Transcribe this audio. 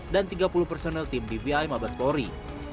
dan tiga puluh personel tim bvi mabat polri